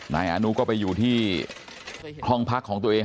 นายอนุก็ไปอยู่ที่ห้องพักของตัวเอง